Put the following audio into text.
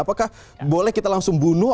apakah boleh kita langsung bunuh